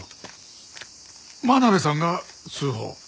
真鍋さんが通報？